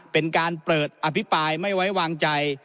เป็นการเปิดอภิปรายไม่ไว้วางใจ